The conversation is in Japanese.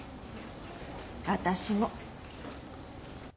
私も。